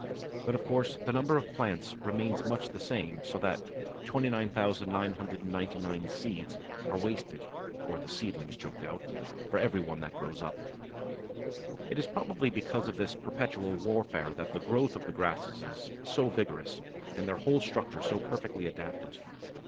But of course the number of plants remains much the same, so that 29,999 seeds are wasted (or the seedlings choked out) for every one that grows up! It is probably because of this perpetual warfare that the growth of the grasses is so vigorous, and their whole structure so perfectly adapted.